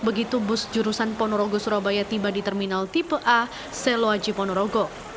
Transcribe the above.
begitu bus jurusan ponorogo surabaya tiba di terminal tipe a seloaji ponorogo